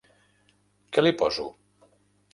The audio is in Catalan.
Què li poso?